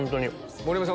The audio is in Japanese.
盛山さん